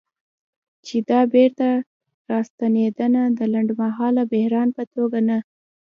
چې دا بیرته راستنېدنه د لنډمهاله بحران په توګه نه